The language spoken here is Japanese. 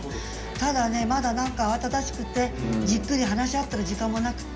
ただねまだ何か慌ただしくてじっくり話し合ってる時間もなくて。